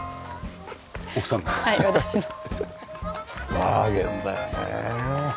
ワーゲンだよねえ。